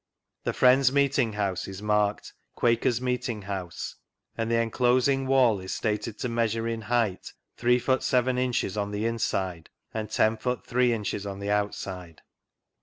The Friends' Meetit^ House is marked " Quaker's Meeting House," and the enclos ing wall is stated to measure in height " 3 ft. 7 in. on the inside" and " lo ft. 3 in. on the outside."